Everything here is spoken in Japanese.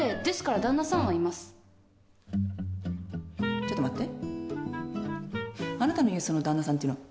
ちょっと待って。